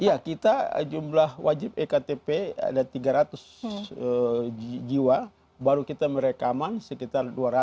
iya kita jumlah wajib ektp ada tiga ratus jiwa baru kita merekaman sekitar dua ratus